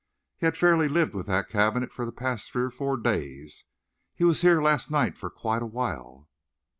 "He has fairly lived with that cabinet for the past three or four days. He was here last night for quite a while."